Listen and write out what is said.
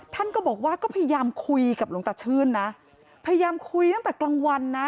ท่านก็บอกว่าก็พยายามคุยกับหลวงตาชื่นนะพยายามคุยตั้งแต่กลางวันนะ